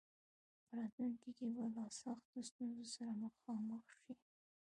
په راتلونکي کې به له سختو ستونزو سره مخامخ شي.